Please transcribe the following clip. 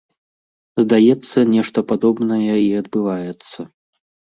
Здаецца, нешта падобнае і адбываецца.